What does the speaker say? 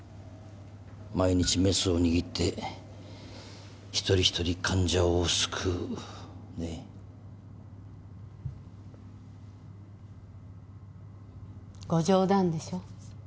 毎日メスを握って一人一人患者を救うご冗談でしょ？